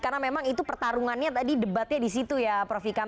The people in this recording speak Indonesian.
karena memang itu pertarungannya tadi debatnya di situ ya prof ikam